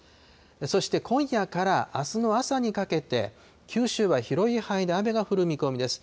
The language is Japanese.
そして今夜からあすの朝にかけて、九州は広い範囲で雨が降る見込みです。